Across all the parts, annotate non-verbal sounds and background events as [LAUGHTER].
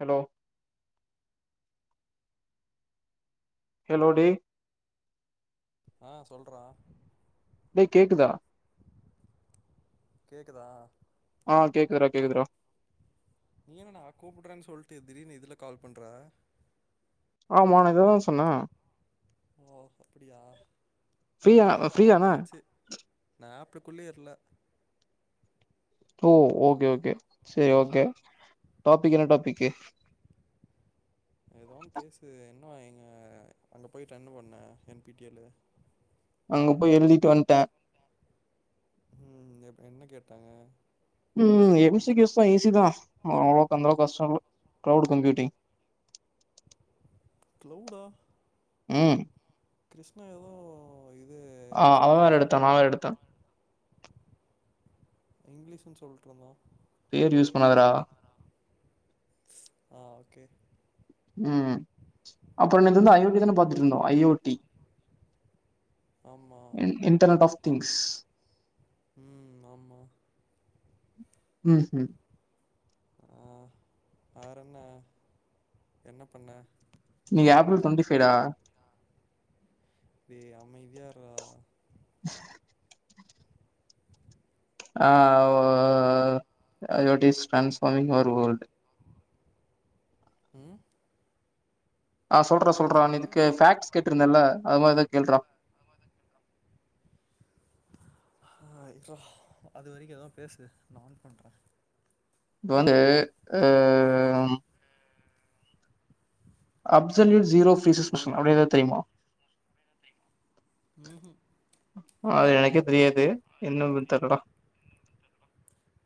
Hello hello டே ஆ சொல்றா டேய் கேக்குதா கேக்குதா ஆ கேக்குதுறா கேக்குதுறா நீ என்னடா கூப்ட்றன்னு சொல்ட்டு திடீர்னு இதுல கால் பண்ற ஆமா நா இததா சொன்ன ஓ அப்படியா நல்ல ஃப்ரீயா அ வேல ஆ ஃப்ரீயான கால் வந்ச்சு நா ஆப்ற குள்ளே இல்ல ஓ ஓகே ஓகே செரி ஓகே டாப்பிக் என்ன டாப்பிக்கு ஏதோ ஒன் பேசுயே ஆ எங்க அங்க போயிட்டென்ன பண்ண என் பி டி எல் அங்க போய் எழுதிட்டு வன்ட்டே உம் இப் என்ன கேட்டாங்க ம் எம்சிக்யூஸா ஈசிதா அவ்ளோக் அந்தளவுக்கஷ்டோ இல்ல க்ளெடு கம்ப்யூட்டிங் க்ளெடா ம் கிருஷ்ணா எதோ இ ஆ அவ வேறெடுத்தா நா வேறெடுத்த இங்லீஷின் சொல்ட்ருந்தா பேரு யூஸ் பண்ணாதரா ஆ ஓகே ம் அப்பற நேத்திந்த ஐ ஓ டி தான பாத்துட்ருந்தோ ஐ ஓ டி ஆமா இன் இன்டர்நல் டஃப் திங்ஸ் ம் ஆமா ம் ம் ஆ வேறன்ன என்ன பண்ண இன்னிக்கி ஏப்ரல் காலைலருந்து டொண்டி ஃபைடா டேய் அமைதியார்ரா ஆ ஓ ஐ ஓ டிஸ் டிரான்ஸ்பமிங் அவர் வோல்ட் ம் ஆ சொல்றா சொல்றா என்னது நேத்துக்கு ஃபேக்ஸ் கேட்ருந்தல்ல அதுமா என்னா கேள்றா அ இர்றா அது வரிக்கு எதா பேசு நா ஆன் பண்ற இதுவந்து அ ம் அப்சல்யு சீரோ பீசஸ் வந்து மிஷின் அப்டி என்னது எதாவ் தெரியுமா உ ம் அது எனக்கே தெரியாது இன்னு [UNINTELLIGIBLE] தெர்லடா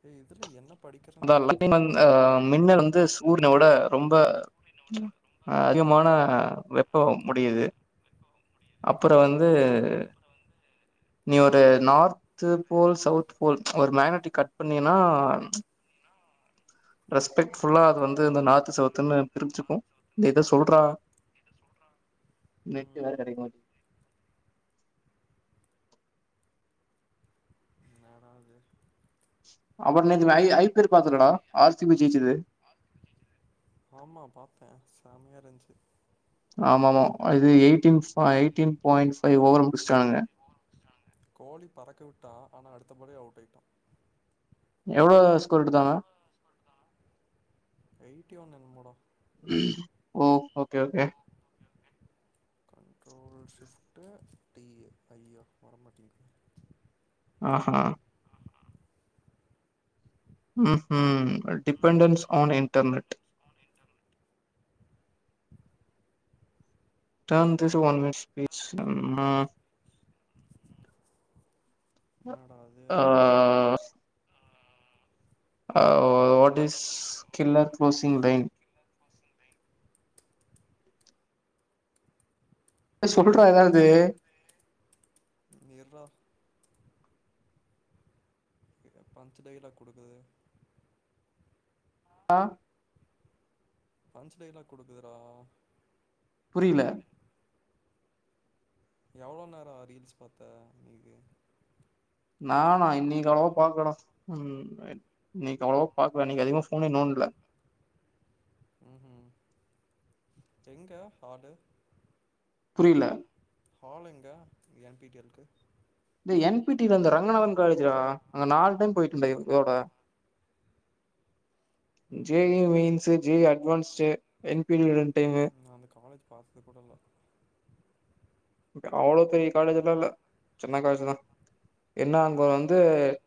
ஏ இதுல என்ன அந்த படிக்கிறேன்னே தெரியலடா [INAUDIBLE] அ ஐஓடில மின்னல் வந்து சூரினோட ரொம்ப அ அதிகமான [UNINTELLIGIBLE] முடியுது அப் அப்பற வந்து ம் நீ ஒரு நார்த் போல் சவுத் போல் ஒரு மேக்னட்டி கட் பண்ணீன்னா ரெஸ்பெக்ட்ஃபுல்லா அது வந்து இந்த நாத்து சவத்துன்னு பிரிஞ்சுக்கும் இ எத சொல்றா நட்டு வேற ம் கிடைக்கு மாட் என்னடா இது அவர்நேத்து ஐபியல் பாத்துலடா ஆர்சிபி ஜெயிச்சது ஆமா பாத்தே செமயா இருச்சு ஆம ஆமா இது eighteen eighteen point five over ல முடிச்சானுங்க கோலி பறக்க உட்டா ஆனா அடுத்தபாலே அவுட் ஆயிட்டா எவ்வளவு ஸ்கோர் எடுதாங்க எயிட்டி ஒன் என்னமொடா ஓ okay okay control shift D ஆ ஐ ஆ வரமாட்டுது ஆஹ ம்ம் dependence on internet turn this one minute speech என்னடா அது ஆ what is killer closing line சொல்ற ஏதாவது இர்ரா பஞ்ச் டய்லாக் குடுக்குது அ பஞ்ச் டயலாக் குடுக்குதுறா புரிய்ல எவ்ளோ நேர ரீல்ஸ் பாத்த இன்னிக்கு நானா இன்னிக் அவ்ளவா பாக்லடா ம் இன்னிக் அவ்ளவா பாக்ல இன்னிக் அதிகமா ஃபோனே நோண்ட்ல ம்ஹூம் எங்க ஹாலு புரிய்ல ஹல் எங்க என்பிடிஎல்க்கு டே என்பிடிலந்து ரங்கநாதன் காலேஜ் டா அங்க நால் டைம் போயட்டன்டா இதோட ஜே ம்ஹூம் ஏ மீன்ஸு ஜே அட் வான்ட்ஸு என்பிடிவ்டன் நா அந்த காலேஜ் பாத்தது கூடல்ல அவ்ளோ பெரிய காலேஜல்லா இல்ல சின்ன காலேஜ்தா என்னா அங்க வந்து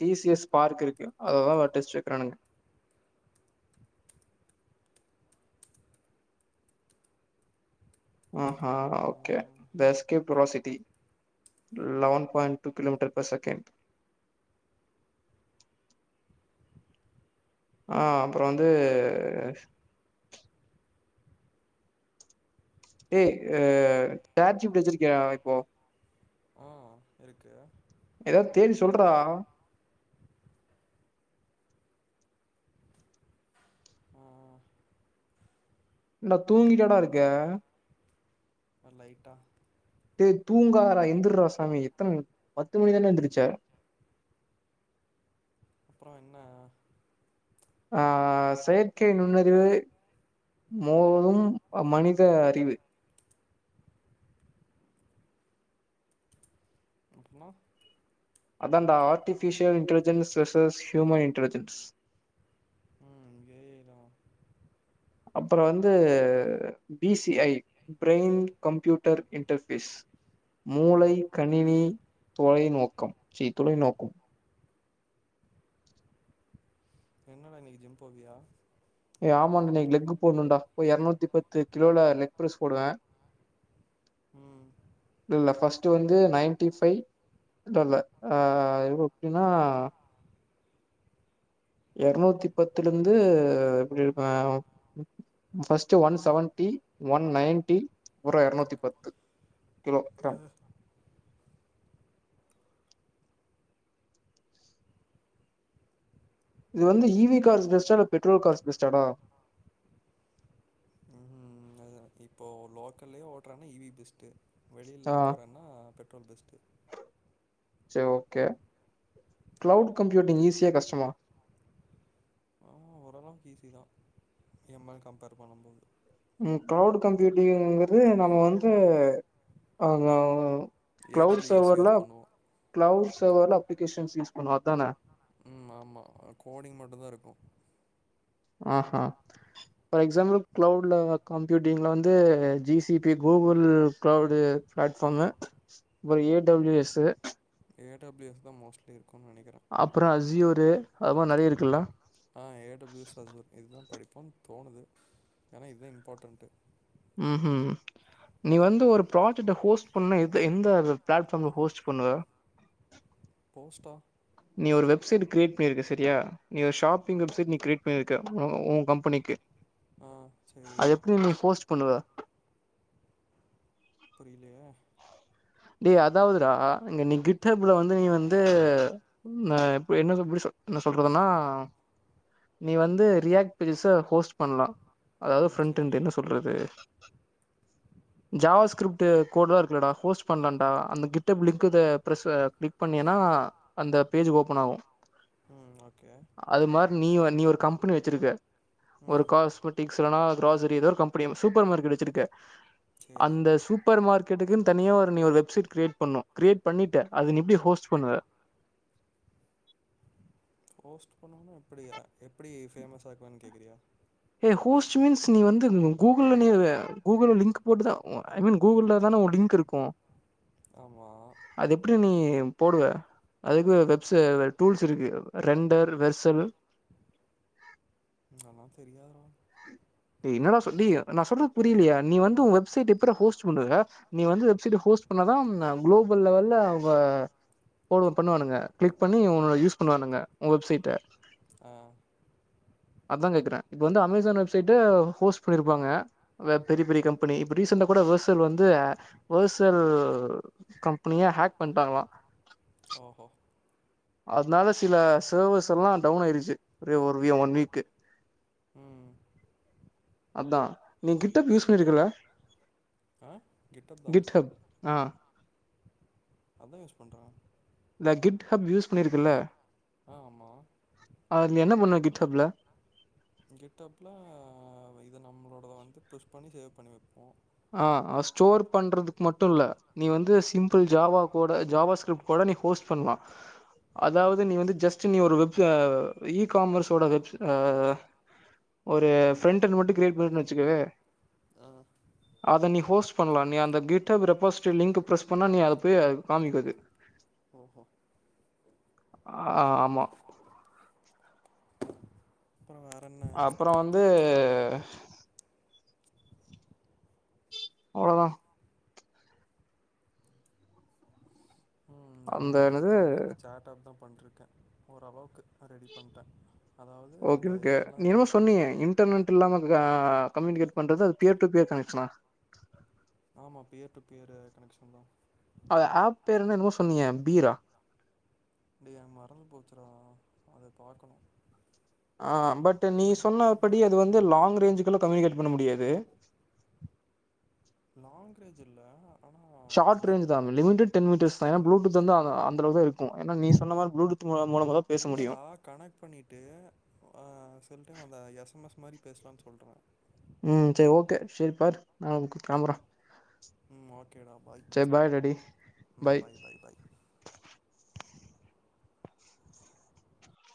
டிசிஎஸ் பார்க் இருக்கு அததா நா டெஸ்ட்டு றானுங்க அ ஹா ஓகே ம் தஸ்கே பபுராசிட்டி eleven point two kilometre per second ஆ அப்புற வந்து ஏய் அ சேர்ஜிபிடி வச்சிருக்கியா இப்போ அ இருக்கு எதாவ்து தேடி சொல்றா ம் ம் ன்டா தூங்கிட்டாடா இருக்க அ லைட்டா ஏ தூங்காதாடா எந்துர்ராசாமி எத்தண பத்து மணிதான்டா எந்துருச்ச அப்றோ என்ன அ செயற்கை நுண்ணறிவு மோதும் மனித அறிவு அப்னா அதாண்டா artificial intelligence versus human intelligence ம் ஏஐ டா அப்புற வந்து பிசிஐ பிரெய்ன் கம்ப்யூட்டர் இன்டர்ஃபேஸ் ஆ மூளை கணினி தொளை நோக்கம் சீ துளை நோக்கு என்னடா இன்னக்கி ஜிம் போவியா ஏ ஆமா இன்னக்கு லெக் போடணுன்டாபோய் எர்நூத்தி பத்து கிலோல லெக் ப்ர்ஸ் போடுவ ம் இல்ல ஃபஸ் டு வந்து நைன்டி ஃபைவ் இல்ல இல்ல அ எப்டினா எருநூத்தி பத்துலேந்து எப்டி இருப்ப first one seventy one ninety உற்ற எர்நூத்தி பத்து கிலோ டன் இது வந்து இ வி கார்ஸ் பெஸ்ட்டா இல்ல பெட்ரோல் கார்ஸ் பெஸ்ட்டாடா ம்ஹூம் அது இப்போ லோக்கல்லயே ஓட்றனா இ வி பெஸ்ட்டு வெளிலெல்லா ஆ போறன்னா பெட் தா பெஸ்ட்டு சேர் ஓகே கிளவுட் கம்ப்யூட்டிங் ஈஸியா கஷ்டமா ஆ ஓரளவுக்கு ஈஸிதா எம் எல் கம்பேர் பண்ணும் போது ம் கிளவுட் கம்யூட்டிங்கிறது நம்ம வந்து அவனுதா ஏ க்ளவுடு டபிள்யூ எஸ் சர்வர்ல யூஸ் பண்ணுவோ க்ளவுட்ஸ் சர்வர்ல அப்ளிகேஷன்ஸ் யூஸ் பண்ணுவோ அதானே ம் ஆமா கோடிங் மட்டுந்தா இருக்கு ஆ ஹ ஃபார் எக்ஸாம்பிள் கிளவுட்ல கம்ப்யூட்டிங்ல வந்து G C P Google cloud platform அப்பற A W S A W M தா மோஸ்ட்லி இருக் அப்பற அஸியோரு அது மாரி நெறைய இருக் குல்ல ஆ ஏ டபிள்யூ எஸ் அசூர் இதுதா படிப்போன்னு தோணுது ஏன்னா இதுதா இம்பார்ட்டன்ட்டு ம் ஹு நீ வந்து ஒரு ப்ராஜெக்ட ஹோஸ்ட் பண்ண எது எந்த பிளாட்ஃபார்ம்ல ஹோஸ்ட் பண்ணுவ கஷ்ட நீ ஒரு வெப்சைட் கிரியேட் பண்ணிருக்க சரியா நீ ஒரு ஷாப்பிங் வெப்சைட் நீ கிரியேட் பண்ணிருக்க உ உ கம்பெனிக்கு ஆ சேரி அது எப்டி நீ போஸ்ட் பண்ணுவ புரிய்லியே டே அதாவ்துடா இங்க நீ கிட்டப்ல வந்து நீ வந்து ந இப்ப என்ன எப்டி சொ என்ன சொல்றதுன்னா நீ வந்து ரியாக்ட் பேஜஸ ஹோஸ்ட் பண்லா அதாவ்து ம் ஃப்ரெண்ட்டுந்து சேரி என்ன சொல்றது ஜாவா ஸ்கிரிப்ட்ட் கோட்லா இருக்குல்லடா ஹோஸ்ட் பண்ணன்டா அந்த கிட்டப் லிங்க்கு த ப்ரஸ் அ க்ளிக் பண்ணனா அந்த பேஜ் ஓப்பன் ஆவு ம் ஓகே அது மாரி நீ வ நீ ஒரு கம்பெனி வெ ச்சிருக்க ஒரு ம் காஸ்மெட்டிக்ஸ் இல்லனா க்ராச ஏதோ ஒரு கம்பெனி சூப்பர் மார்கெட் வச்சிருக்க சேரி அந்த சூப்பர் மார்க்கெட்டுக்குன் தனியா ஒ நீ ஒரு வெப்சைட் க்ரியேட் பண்ணூ க்ரியேட் பண்ணிட்ட அத நீ எப்டி ஹோஸ்ட் பண்ணுவ ஹோஸ்ட் பண்ணனுனா எப்டியா எப்டி ஃபேமஸ் ஆக்குவன் கேக்குறியா ஹே ஹோஸ்ட் மீன்ஸ் நீ வந்து கூகுள் நீ கூகுள் லிங்க் போட்டுதா ஒ ஐ மீன் கூகுள்ல தான ஓ லிங்க் இருக்கு ஆமா ப்டி நீ போடுவ‌ அதுக்கு வெப் ஸே டூல்ஸ் இருக்கு ரெண்டர் வெர்சல் அத்ல்லா தெரியாதுரா டே என்னடா சொல் டே நா சொல்றது புரியலயா நீ வந்து ஒ வெப்சைட் எப்புட்ரா ஹோஸ்ட் பண்ணுவ நீ வந்து வெப் சைட் ஹோஸ்ட் பண்ணாதா க்ளோபல் லெவல்ல ஃபாலோ பண்ணுவானுங்க கிளிக் பண்ணி உன்னோட யூஸ் பண்ணுவானுங்க ஊ வெப் சைட்ட அ அதா கேக்குற இப்ப வந்து அமேசான் வெப்சைட்டடு ஹோஸ்ட் பண்ணிருப்பாங்க பெரிய பெரிய கம்பெனி இப்ப ரீசண்டா கூட வேர்சல் வந்து வேர்சல் கம்பெனிய ஹேக் பண்ட்டாங்ளா ஓஹோ அத்னால சில சேவர்ஸ் எல்லா டவுன் ஆயிருச்சு ரே ஒர் விய ஒன் வீக்கு ம் அதா நீ கிட்டப் யூஸ் பண்ணிருக்கல்ல ஆ கெட்டப் ஆ ஆ அதா யூஸ் பண்ற. ந்த கிட்ஹ் ஹேப் யூஸ் பண்ணிருக்கேல்ல ஆ ஆமா என்ன பண்ணுவ கிட் ஹப்ல கிட் ஹேப்புல இது நம்ளோ வந்து புஷ் பண்ணி சேவ் பண்ணி வெப் ஆ ஸ்டோர் பண்றதுக்கு மட்டும் இல்ல நீ வந்து சிம்பிள் ஜாவா கோட ஜாவா ஸ்க்ரிப்ட் கூட நீ ஹோஸ்ட் பண்ணுலா. அதாவுது நீ வந்து ஜஸ் நீ ஒரு இ காமர்ஸோட வெப் ஆ ஒரு ஃபெரெண்ட நோட் கிரியேட் பண்ண வெச்சுக்கவே ஆ அத நீ ஹோஸ்ட் பண்ணலா. நீ அந்த கிட்அப் ரெக்வஸ்ட் லிக் ப்ரெஸ் பண்ணா நீ போய் அத காம்கிது. ஓஹோ ஆமா அப்புற வேற என்ன அப்பறோ வந்து அவ்ளோதா உம் நா அந்த வந்து என்னது திரும்பியு அந்த சாட் ஆப் தா ண்ருக்கே ஓரளவுக்கு ரெடி பண்டே. Okay okay. நீ ஏதோ சொன்னீயே இன்டர்நெட் க்ர இல்லாம கம்யூனிகேட் பண்றது பியர் டு பியர் கனெக்ஷனா? ஆமா பியர் டு பியரு கனெக்ஷன் தா. ஆ ஆப் பேர் என்ன என்னமோ சொன்னீயே பீரா? டேய் அது மறந்து போச்சு டா. அத பாக்கணு. ஆ பட் நீ சொன்னப்படி அது வந்து லாங் ரேஞ்சுக்குள்ள கம்யூனிகேட் பண்ண முடியாது. லாங்ரேஜ் இல்ல. ஆனா ஷார்ட் நெட் ரேஞ் தா. லிமிட்டு டென் மீட்டெர்ஸ் தா. ஏனா ப்ளூடூத் வந்து ஆ அந்த அளவுதா இருக்கு. ஏனா நீ சொன்ன மார் ப்ளூடூத் மூலமா தா பேச முடியு இல்லடா கனெக்ட் பண்ணிட்டு ஆ சில டைம் அந்த எஸ் எம் எஸ் இந்த மாரி பேசலாம்னு சொல்ராங் உம் சரி ஓகே சரி பாரு நா கிலம்புறே ம் ஓக்கேடா பாய் பாய் பாய் பாய்